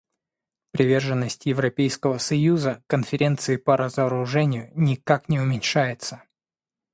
Приверженность Европейского союза Конференции по разоружению никак не уменьшается.